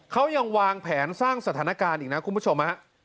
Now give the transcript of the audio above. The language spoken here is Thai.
เขายังวางแผนสร้างสถานการณ์อีกนะคุณผู้ชมฮะ